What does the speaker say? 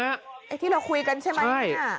ไอ้ที่เราคุยกันใช่ไหมเนี่ย